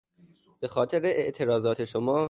به خاطر اعتراضات شما...